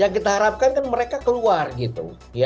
yang kita harapkan kan mereka keluar gitu